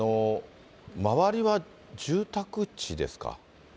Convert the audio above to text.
周りは住宅地ですか。